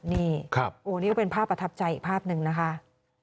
นี่โอ้นี่ก็เป็นภาพประทับใจอีกภาพหนึ่งนะคะ